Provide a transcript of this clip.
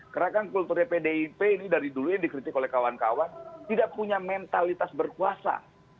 karena kan kulturnya pdip ini dari dulu yang dikritik oleh kawan kawan tidak punya mentalitas berkuasa